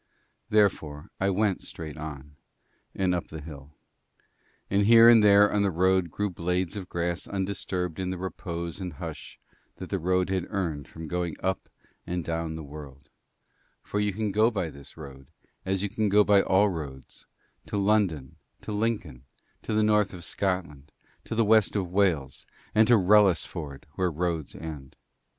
Therefore I went straight on and up the hill; and here and there on the road grew blades of grass undisturbed in the repose and hush that the road had earned from going up and down the world; for you can go by this road, as you can go by all roads, to London, to Lincoln, to the North of Scotland, to the West of Wales, and to Wrellisford where roads end.